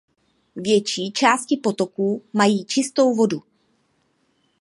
Větší části potoků mají čistou vodu.